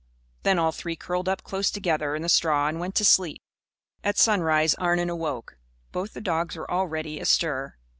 Then all three curled up close together in the straw and went to sleep. At sunrise Arnon awoke. Both the dogs were already astir.